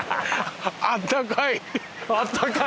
あったかい！